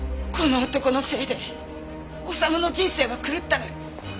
この男のせいで修の人生は狂ったのよ。